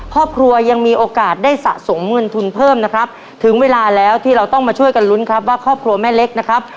ครอบครัวยังมีโอกาสได้สะสมเงินทุนเพิ่มนะครับถึงเวลาแล้วที่เราต้องมาช่วยกันลุ้นครับว่าครอบครัวแม่เล็กนะครับ